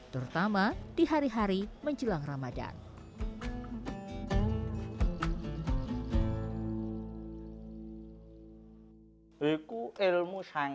terutama di hari hari menjelang ramadan